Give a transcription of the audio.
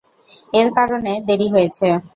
এর কারনে দেরি হয়েছে।